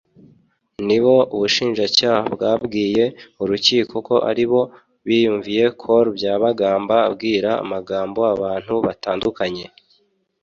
nibo ubushinjacyaha bwabwiye Urukiko ko aribo biyumviye Col Byabagamba abwira amagambo abantu batandukanye